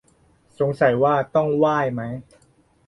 สงสัยว่าต้องไหว้ไหม